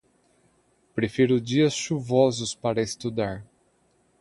Prefiro dias chuvosos para estudar.